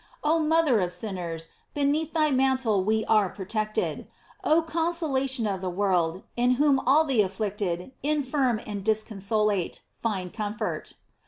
Oh mother of sinners, be neath thy mantle we are protected! Oh conso lation of the world, in whom all the afflicted, in firm, and disconsolate find comfort!